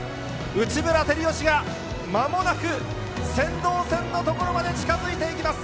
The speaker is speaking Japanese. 内村光良が、まもなく先導船の所まで近づいていきます。